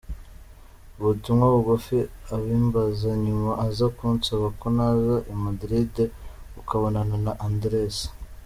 ubutumwa bugufi abimbaza, nyuma aza kunsaba ko naza i Madrid ukabonana, Andressa.